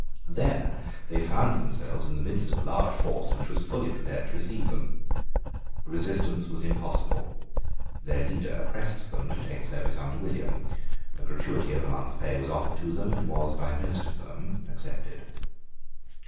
There they found themselves in the midst of a large force which was fully prepared to receive them. Resistance was impossible. Their leader pressed them to take service under William. A gratuity of a month's pay was offered to them, and was by most of them accepted.